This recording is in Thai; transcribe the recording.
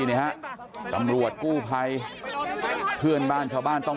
อยากจะเห็นว่าลูกเป็นยังไงอยากจะเห็นว่าลูกเป็นยังไง